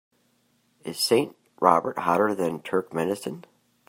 is Saint Robert hotter than Turkmenistan